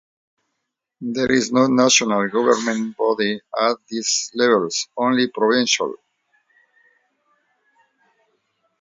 There is no national governing body at these levels, only provincial.